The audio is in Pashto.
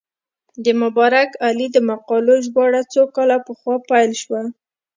د مبارک علي د مقالو ژباړه څو کاله پخوا پیل شوه.